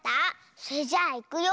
それじゃあいくよ。